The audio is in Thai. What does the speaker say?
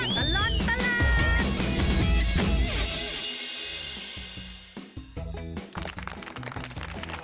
ช่วงตลอดตลาด